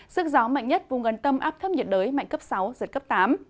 sức gió mạnh nhất vùng gần tâm áp thấp nhiệt đới mạnh cấp sáu giật cấp tám